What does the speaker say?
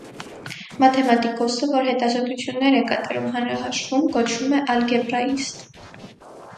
Մաթեմատիկոսը, որ հետազոտություններ է կատարում հանրահաշվում, կոչվում է ալգեբրաիստ։